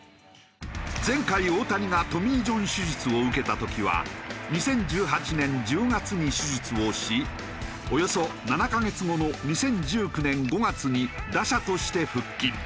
前回大谷がトミー・ジョン手術を受けた時は２０１８年１０月に手術をしおよそ７カ月後の２０１９年５月に打者として復帰。